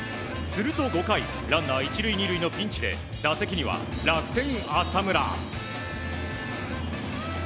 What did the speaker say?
すると５回ランナー１塁２塁のピンチで打席には楽天、浅村。